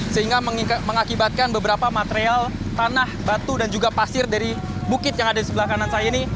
sehingga mengakibatkan beberapa material tanah batu dan juga pasir dari bukit yang ada di sebelah kanan saya ini